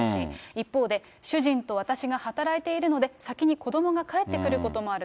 一方で、主人と私が働いているので、先に子どもが帰ってくることもある。